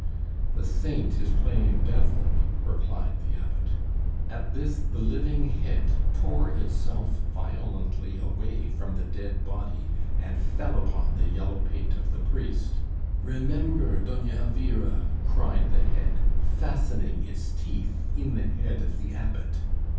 "The saint is playing devil!" replied the Abbot. At this the living head tore itself violently away from the dead body and fell upon the yellow pate of the priest. "Remember, Doña Elvira!" cried the head, fastening its teeth in the head of the Abbot.